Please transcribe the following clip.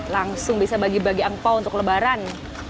langsung bisa bagi bagi angpao untuk lebaran